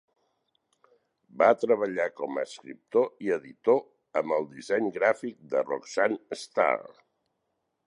Va treballar com a escriptor i editor amb el disseny gràfic de Roxanne Starr.